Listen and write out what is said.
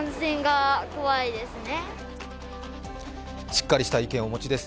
しっかりした意見をお持ちす。